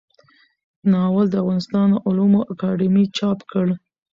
ناول د افغانستان علومو اکاډمۍ چاپ کړ.